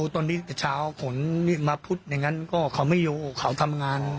ตอนนี้แต่เช้าขนมาพุธอย่างนั้นก็เขาไม่อยู่เขาทำงาน